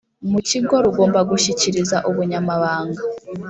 mu kigo rugomba gushyikiriza ubunyamabanga